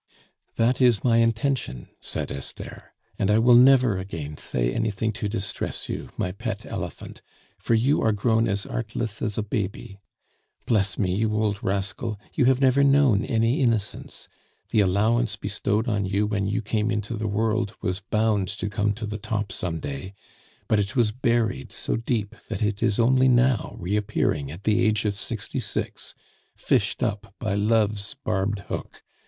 "That is my intention," said Esther. "And I will never again say anything to distress you, my pet elephant, for you are grown as artless as a baby. Bless me, you old rascal, you have never known any innocence; the allowance bestowed on you when you came into the world was bound to come to the top some day; but it was buried so deep that it is only now reappearing at the age of sixty six. Fished up by love's barbed hook.